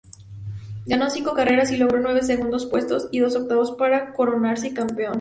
Ganó cinco carreras, y logró nueve segundos puestos y dos octavos para coronarse campeón.